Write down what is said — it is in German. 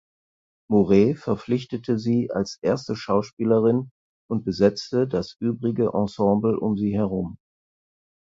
Mouret verpflichtete sie als erste Schauspielerin und besetzte das übrige Ensemble um sie herum.